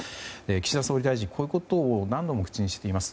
岸田総理大臣、こういうことを何度も口にしています。